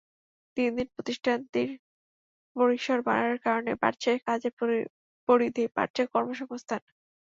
দিন দিন প্রতিষ্ঠানটির পরিসর বাড়ার কারণে বাড়ছে কাজের পরিধি, বাড়ছে কর্মসংস্থান।